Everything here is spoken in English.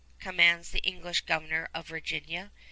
commands the English Governor of Virginia.